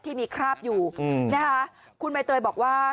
ที่มีคราบอยู่นะคะคุณใบเตยบอกว่า